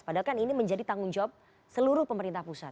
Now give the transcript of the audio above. padahal kan ini menjadi tanggung jawab seluruh pemerintah pusat